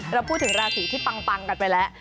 เราพูดถึงราศีที่ปังกันไปแล้ว